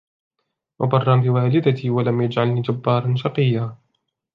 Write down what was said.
وَبَرًّا بِوَالِدَتِي وَلَمْ يَجْعَلْنِي جَبَّارًا شَقِيًّا